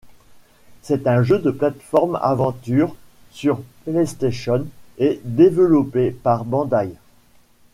C'est un jeu de plate-forme aventure sur PlayStation et développé par Bandai.